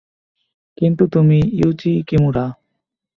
কিন্তু তুমি ইয়ুচি কিমুরা।